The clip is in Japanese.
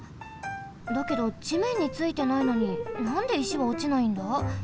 だけどじめんについてないのになんで石はおちないんだ？